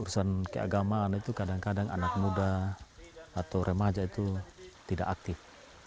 dan keagamaan itu kadang kadang anak muda atau remaja itu tidak aktif